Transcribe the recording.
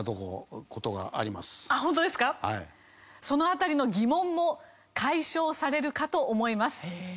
その辺りの疑問も解消されるかと思います。